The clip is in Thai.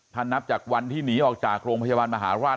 ถ้านับจากวันที่หนีออกจากโรงพยาบาลมหาราช